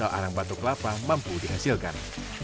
sehingga arang batok kelapa mampu dihasilkan